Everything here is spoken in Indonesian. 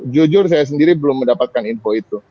jujur saya sendiri belum mendapatkan info itu